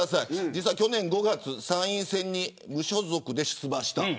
実は去年５月参院選に無所属で出馬。